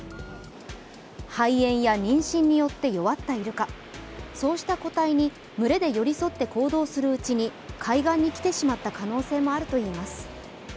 肺炎や妊娠によって弱ったイルカそうした個体に群れで寄り添って行動するうちに海岸に来てしまった可能性もあるといいます。